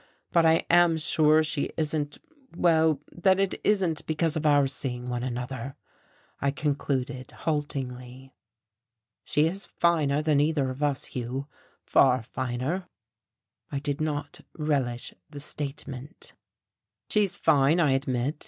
But I am sure she isn't well, that it isn't because of our seeing one another," I concluded haltingly. "She is finer than either of us, Hugh, far finer." I did not relish this statement. "She's fine, I admit.